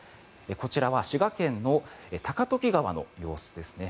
こちらは滋賀県の高時川の様子ですね。